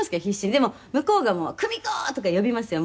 「でも向こうが“久美子！”とか呼びますよ